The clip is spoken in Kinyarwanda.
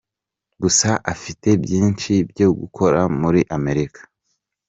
Gusa afite byinshi byo gukora muri Amerika.